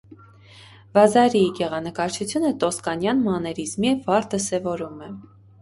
Վազարիի գեղանկարչությունը տոսկանյան մաներիզմի վառ դրսևորում է։